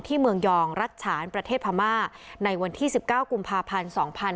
เมืองยองรัชฉานประเทศพม่าในวันที่๑๙กุมภาพันธ์๒๕๕๙